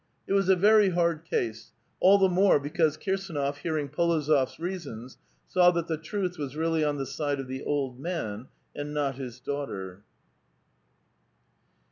It was a very hard case, all the more because Kirsdnof hearing P6lozof*s reasons saw that the truth was really on the side of the old man, and not his daughter.